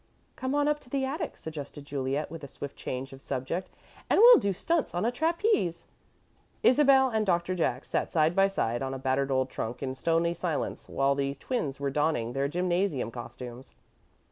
"Come on up to the attic," suggested Juliet, with a swift change of subject, "and we'll do stunts on the trapeze." Isabel and Doctor Jack sat side by side on a battered old trunk in stony silence while the twins were donning their gymnasium costumes.